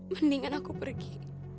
mendingan aku pergi